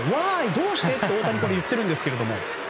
どうしてって大谷、言っているんですけど。